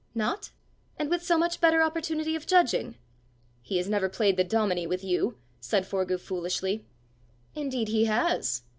"Not? and with so much better opportunity of judging!" "He has never played the dominie with you!" said Forgue foolishly. "Indeed he has!"